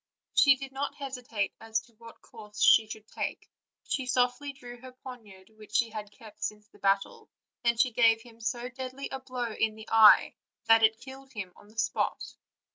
She did not hesitate as to what course she should take: she softly drew her poniard, which she had kept since the battle, and gave him so deadly a blow in the eye that it killed him on the spot.